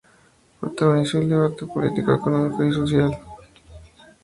Protagonizó el debate político, económico y social entre las distintas ramas del liberalismo español.